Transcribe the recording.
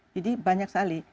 jadi banyak sekali